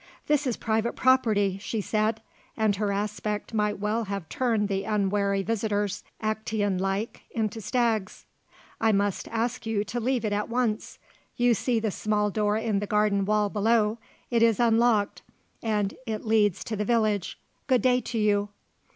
"This is private property," she said, and her aspect might well have turned the unwary visitors, Acteon like, into stags, "I must ask you to leave it at once. You see the small door in the garden wall below; it is unlocked and it leads to the village. Good day to you."